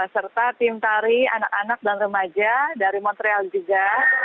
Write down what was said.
serta tim tari anak anak dan remaja dari montreal juga